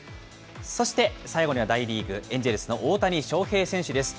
そして最後には大リーグ・エンジェルスの大谷翔平選手です。